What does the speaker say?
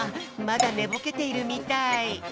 まだねぼけているみたい。